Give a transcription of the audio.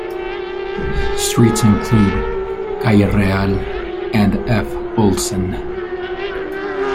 Streets include Calle Real and F. Olsen.